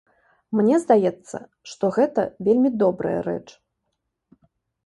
Мне здаецца, што гэта вельмі добрая рэч.